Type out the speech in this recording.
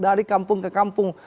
dari kampung ke kampung